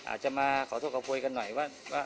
อาจจะมาขอโทษกับครูกันหน่อยว่า